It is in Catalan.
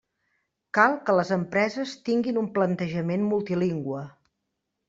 Cal que les empreses tinguin un plantejament multilingüe.